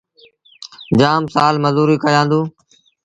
جآم سآل مزوريٚ ڪيآݩدوݩ۔